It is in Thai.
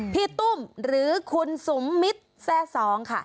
พี่ตุ้มหรือคุณสุมิทแซ่สอง